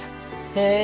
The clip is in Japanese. へえ。